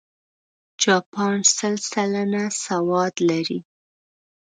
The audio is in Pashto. جاپان سل سلنه سواد لري.